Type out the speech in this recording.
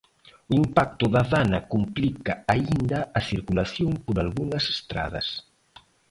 O impacto da Dana complica aínda a circulación por algunhas estradas.